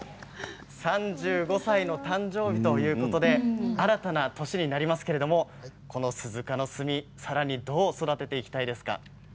３５歳の誕生日ということで新たな年になりますけれどもこの鈴鹿の墨、さらにどう育てていきたいですか？